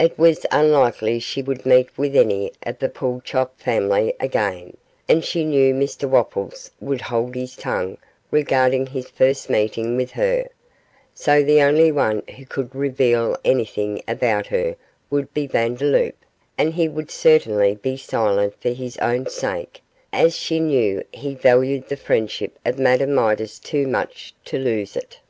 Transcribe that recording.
It was unlikely she would meet with any of the Pulchop family again, and she knew Mr Wopples would hold his tongue regarding his first meeting with her, so the only one who could reveal anything about her would be Vandeloup, and he would certainly be silent for his own sake, as she knew he valued the friendship of Madame Midas too much to lose it.